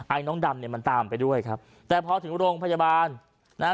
ไอน้องดำเนี่ยมันตามไปด้วยครับแต่พอถึงโรงพยาบาลนะฮะ